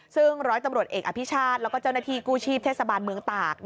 ซึ่งร้อยตำรวจเอกอภิชาติแล้วก็เจ้าหน้าที่กู้ชีพเทศบาลเมืองตาก